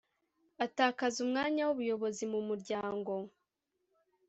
atakaza umwanya w ubuyobozi mu muryango